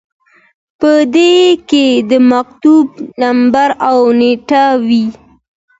په دې کې د مکتوب نمبر او نیټه وي.